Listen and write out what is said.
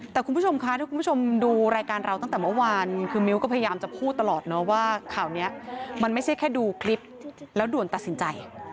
แต่คุณผู้ชมคะถ้าคุณผู้ชมดูรายการเราตั้งแต่เมื่อวานคือมิ้วก็พยายามจะพูดตลอดเนอะว่าข่าวนี้มันไม่ใช่แค่ดูคลิปแล้วด่วนตัดสินใจ